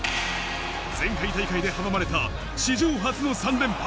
前回大会で阻まれた史上初の３連覇。